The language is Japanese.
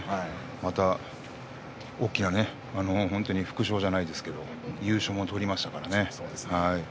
また大きな、副賞じゃないですけど優勝も取りましたし。